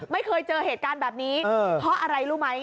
ไม่เคยเจอเหตุการณ์แบบนี้เพราะอะไรรู้ไหม